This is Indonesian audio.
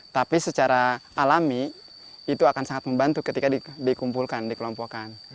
tapi secara alami itu akan sangat membantu ketika dikumpulkan dikelompokkan